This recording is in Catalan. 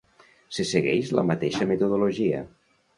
Se segueix la mateixa metodologia.